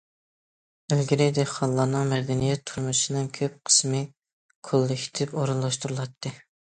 ئىلگىرى دېھقانلارنىڭ مەدەنىيەت تۇرمۇشىنىڭ كۆپ قىسمى كوللېكتىپ ئورۇنلاشتۇرۇلاتتى.